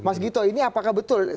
mas gito ini apakah betul